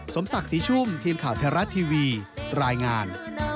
สมศักดิ์สีชุ่มทีมข่าวแทรวัติ์ทีวีรายงาน